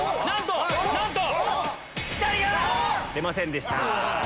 ピタリが‼出ませんでした。